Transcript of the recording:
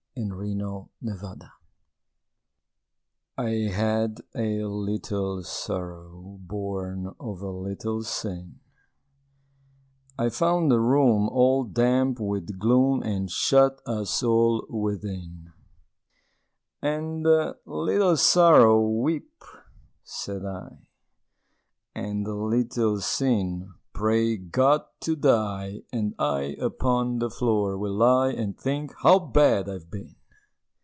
The Penitent I had a little Sorrow, Born of a little Sin, I found a room all damp with gloom And shut us all within; And, "Little Sorrow, weep," said I, "And, Little Sin, pray God to die, And I upon the floor will lie And think how bad I've been!"